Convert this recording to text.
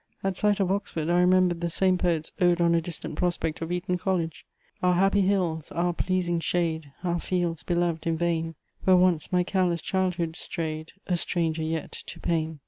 At sight of Oxford I remembered the same poet's Ode on a distant Prospect of Eton College: Ah, happy hills! ah, pleasing shade! Ah, fields beloved in vain! Where once my careless childhood strayed, A stranger yet to pain!